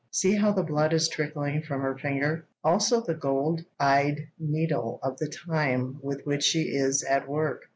See how the blood is trickling from her finger; also the gold eyed needle of the time with which she is at work."